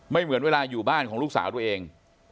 เหมือนเวลาอยู่บ้านของลูกสาวตัวเอง